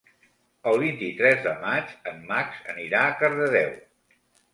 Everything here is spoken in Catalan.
El vint-i-tres de maig en Max anirà a Cardedeu.